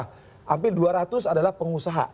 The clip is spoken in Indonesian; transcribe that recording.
hampir dua ratus adalah pengusaha